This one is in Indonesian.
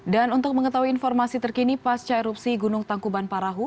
dan untuk mengetahui informasi terkini pasca erupsi gunung tangkuban parahu